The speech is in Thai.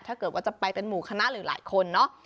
ถ้าเกิดว่าจะไปเป็นหมู่คณะหรือหลายคนเนาะ